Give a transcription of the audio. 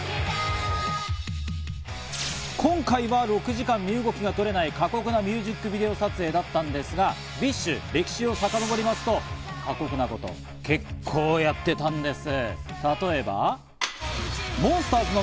今回は６時間身動きが取れない過酷なミュージックビデオ撮影だったんですが、ＢｉＳＨ、歴史をさかのぼりますと、過酷な事結構やってたんです。